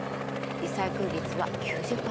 リサイクル率は９０％以上。